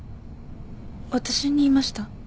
私に言いました？